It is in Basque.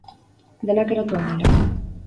Denak erotu al dira?